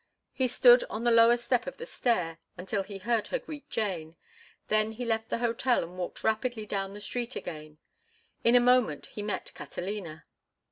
He stood on the lower step of the stair until he heard her greet Jane; then he left the hotel and walked rapidly down the street again. In a moment he met Catalina.